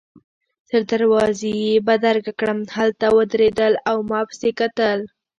تر دروازې يې بدرګه کړم، هلته ودرېدل او ما پسي کتل.